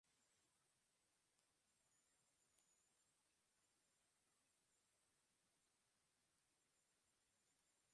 খোন্দকার বাংলাদেশ এবং পৃথিবীর বিভিন্ন দেশের মুসলিমদের পদবি হিসেবে ব্যবহৃত হয়ে থাকে।